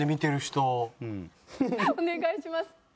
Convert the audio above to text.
お願いします。